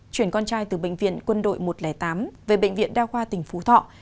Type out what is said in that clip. chuyển con trai từ bệnh viện quân đội một trăm linh tám về bệnh viện đa khoa tỉnh phú thọ